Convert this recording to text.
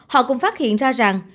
họ cũng phát hiện ra rằng